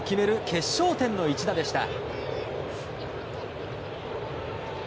決勝点の一打でした。